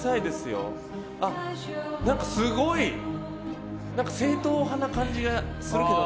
何か、すごい正統派な感じがするけど。